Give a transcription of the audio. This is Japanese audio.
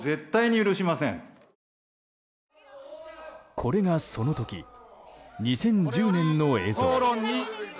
これがその時、２０１０年の映像。